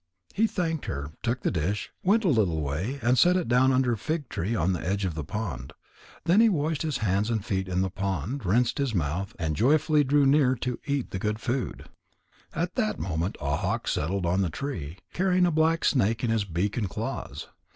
He thanked her, took the dish, went a little way, and set it down under a fig tree on the edge of the pond. Then he washed his hands and feet in the pond, rinsed his mouth, and joyfully drew near to eat the good food. At that moment a hawk settled on the tree, carrying a black snake in his beak and claws.